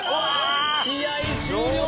試合終了！